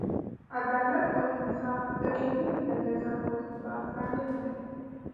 عدالت او انصاف د ټولنې د نظم او ثبات لامل دی.